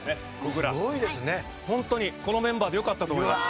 ホントにこのメンバーでよかったと思います